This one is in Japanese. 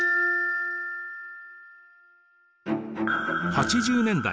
８０年代